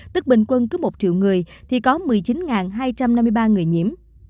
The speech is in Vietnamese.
tức bình quân cứ một triệu người thì có một mươi chín hai trăm năm mươi ba người nhiễm